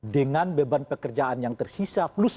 dengan beban pekerjaan yang terlalu besar